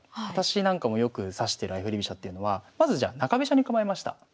私なんかもよく指してる相振り飛車っていうのはまずじゃあ中飛車に構えました。